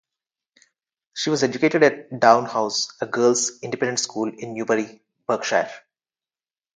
She was educated at Downe House, a girls' independent school in Newbury, Berkshire.